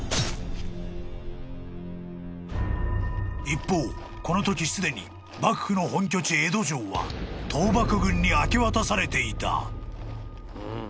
［一方このときすでに幕府の本拠地江戸城は倒幕軍に明け渡されていた］